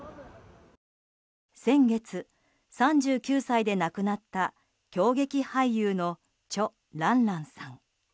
先月、３９歳で亡くなった京劇俳優のチョ・ランランさん。